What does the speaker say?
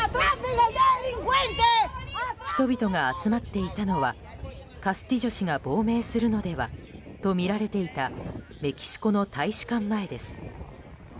人々が集まっていたのはカスティジョ氏が亡命するのではとみられていたメキシコの大使館前です。